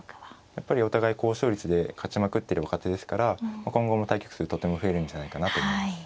やっぱりお互い高勝率で勝ちまくってる若手ですから今後の対局数とても増えるんじゃないかなと思います。